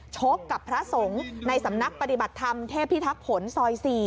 ชกกับพระสงฆ์ในสำนักปฏิบัติธรรมเทพิทักษ์ผลซอย๔